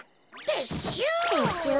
てっしゅう。